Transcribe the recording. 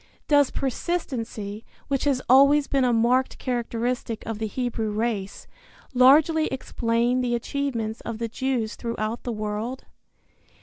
Does persistency, which has always been a marked characteristic of the Hebrew race, largely explain the achievements of the Jews throughout the world?